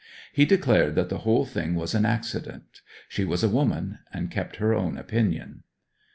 He declared that the whole thing was an accident. She was a woman, and kept her own opinion.